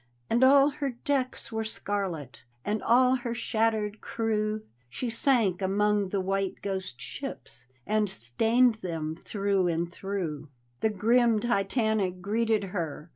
And all her decks were scarlet And all her shattered crew. She sank among the white ghost ships And stained them through and throu^. The grim Titanic greeted her.